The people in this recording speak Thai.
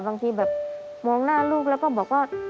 บางทีแบบมองหน้าลูกแล้วก็บอกว่า